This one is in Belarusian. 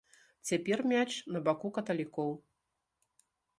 Цяпер мяч на баку каталікоў.